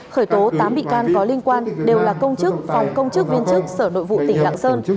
khởi tố tám bị can có liên quan đều là công chức phòng công chức viên chức sở nội vụ tỉnh lạng sơn